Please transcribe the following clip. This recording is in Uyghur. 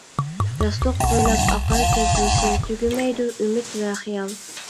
ياستۇق بويلاپ ئاقار كۆز يېشى، تۈگىمەيدۇ ئۈمىد ۋە خىيال.